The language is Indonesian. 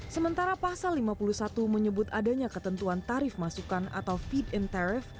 sementara pasal lima puluh satu menyebut adanya ketentuan tarif masukan atau feed in tarif